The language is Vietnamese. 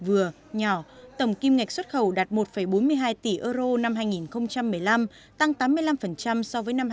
vừa nhỏ tổng kim ngạch xuất khẩu đạt một bốn mươi hai tỷ euro năm hai nghìn một mươi năm tăng tám mươi năm so với năm hai nghìn một mươi bảy